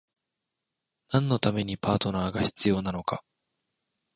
何のためにパートナーが必要なのか？